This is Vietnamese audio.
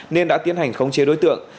nên đã tiến hành khống chế đối tượng